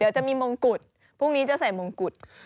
เดี๋ยวจะมีมงกุฎพรุ่งนี้จะใส่มงกุฎ